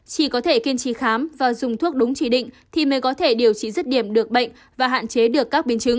chỉ có thể kiên trì khám và dùng thuốc đúng chỉ định thì mới có thể điều trị rứt điểm được bệnh và hạn chế được các biến chứng